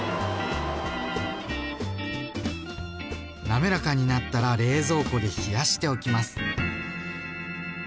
滑らかになったら冷蔵庫で冷やしておきます。